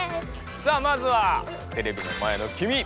さあまずはテレビの前のきみ！